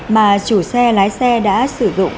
mà chủ xe lái xe đã sử dụng